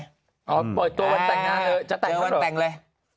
อ๋อตัววันแต่งนะเจอวันแต่งเลย